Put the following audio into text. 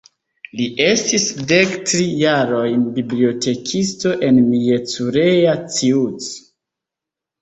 Li estis dektri jarojn bibliotekisto en Miercurea Ciuc.